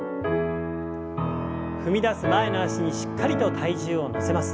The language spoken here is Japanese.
踏み出す前の脚にしっかりと体重を乗せます。